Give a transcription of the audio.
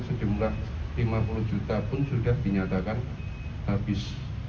sejumlah lima puluh juta pun sudah dinyatakan habis